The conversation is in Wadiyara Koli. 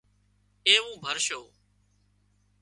ايوون ڀرشو